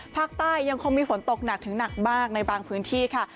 ภาคใต้ยังคงมีฝนตกหนักถึงหนักมากในบางพื้นที่ค่ะ